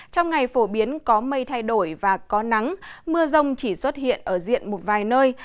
trong ngày phổ biến có mây thay đổi và có nắng mưa rông chỉ xuất hiện ở diện một vài nơi